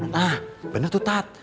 nah bener tuh tat